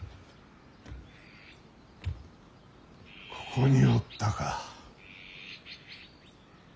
ここにおったか。